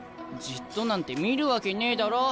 じっとなんて見るわけねえだろ。